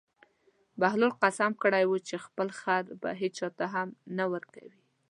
بهلول قسم کړی و چې خپل خر به هېچا ته هم نه ورکوي.